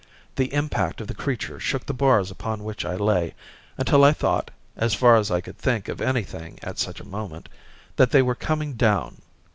The impact of the creature shook the bars upon which I lay, until I thought (as far as I could think of anything at such a moment) that they were coming down.